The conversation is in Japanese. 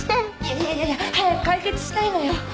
いやいやいや早く解決したいのよ